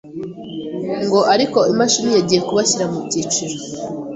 ngo ariko imashini yagiye kubashyira mu byiciro